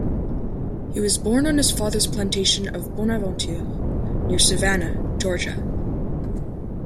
He was born on his father's plantation of "Bonaventure", near Savannah, Georgia.